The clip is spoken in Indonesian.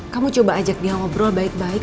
kamu coba ajak dia ngobrol baik baik